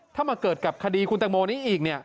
ถ้ามาเกิดกับคดีคุณแตงโมนี้อีก